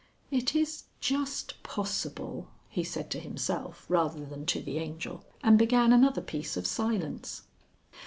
"It is just possible," he said to himself rather than to the Angel, and began another piece of silence.